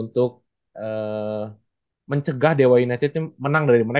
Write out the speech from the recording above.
gue tadi itu sama